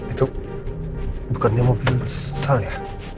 itu bukannya mobil besar ya